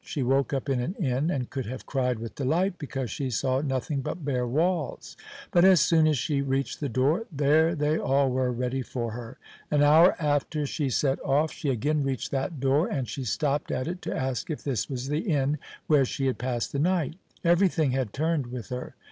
She woke up in an inn, and could have cried with delight because she saw nothing but bare walls. But as soon as she reached the door, there they all were, ready for her. An hour after she set off, she again reached that door; and she stopped at it to ask if this was the inn where she had passed the night. Everything had turned with her.